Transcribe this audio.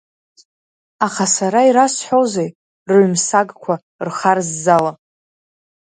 Аха сара ирасҳәозеи, рыҩмсагқәа рхарззала?